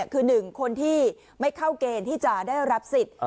คือ๑คนที่ไม่เข้าเกณฑ์ที่จะได้รับสิทธิ์